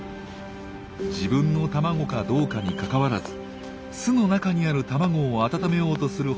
自分の卵かどうかにかかわらず巣の中にある卵を温めようとする本能があるんです。